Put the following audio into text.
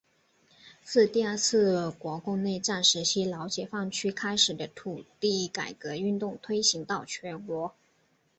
自第二次国共内战时期老解放区开始的土地改革运动推行到全国。